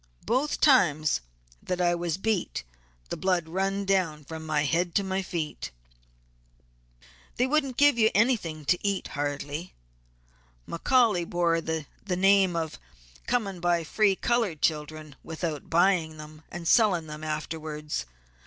Both times that I was beat the blood run down from my head to my feet. "They wouldn't give you anything to eat hardly. McCaully bore the name of coming by free colored children without buying them, and selling them afterwards.